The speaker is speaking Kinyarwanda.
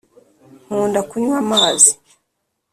Nkunda kunywa amazi